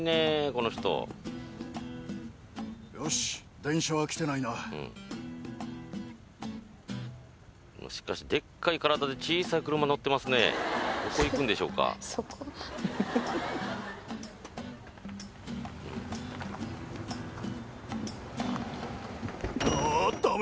この人しかしでっかい体で小さい車乗ってますねどこ行くんでしょうかああ！